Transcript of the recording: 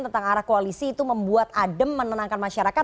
tentang arah koalisi itu membuat adem menenangkan masyarakat